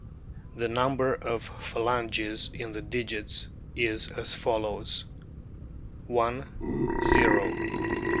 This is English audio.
The number of phalanges in the digits is as follows: I, o.